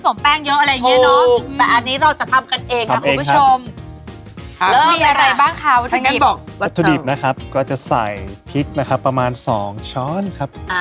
ต่อไปแล้วต่อไปกระเทียมครับกระเทียมครับหนึ่งช้อนครับ